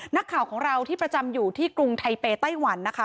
นักข่าวของเราที่ประจำอยู่ที่กรุงไทเปไต้หวันนะคะ